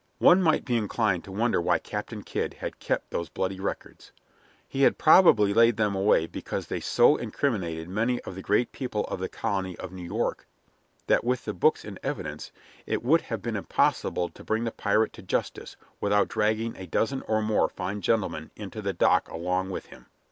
One might be inclined to wonder why Captain Kidd had kept those bloody records. He had probably laid them away because they so incriminated many of the great people of the colony of New York that, with the books in evidence, it would have been impossible to bring the pirate to justice without dragging a dozen or more fine gentlemen into the dock along with him.